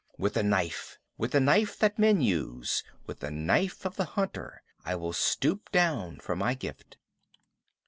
With the knife, with the knife that men use, with the knife of the hunter, I will stoop down for my gift.